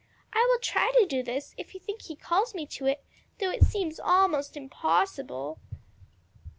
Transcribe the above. I will try to do this if you think he calls me to it; though it seems almost impossible."